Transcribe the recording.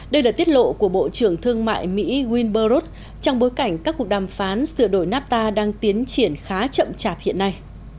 đây là tiết lộ của bộ trưởng thương mại mỹ wilber root trong bối cảnh các cuộc đàm phán sửa đổi nafta đang tiến triển khá chậm chạp hiện nay